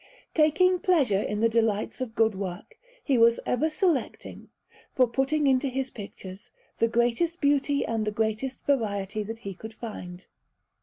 Taking pleasure in the delights of good work, he was ever selecting, for putting into his pictures, the greatest beauty and the greatest variety that he could find.